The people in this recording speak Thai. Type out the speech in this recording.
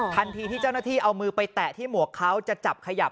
ทันทีที่เจ้าหน้าที่เอามือไปแตะที่หมวกเขาจะจับขยับ